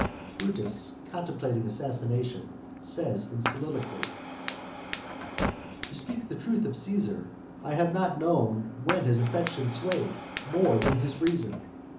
"_ Brutus, contemplating assassination, says in soliloquy: _"To speak the truth of Cæsar, I have not known when his affections swayed More than his reason.